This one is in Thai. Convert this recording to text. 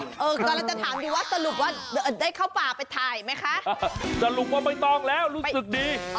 ไปถ่ายไหมคะสรุปว่าไม่ต้องแล้วรู้สึกดี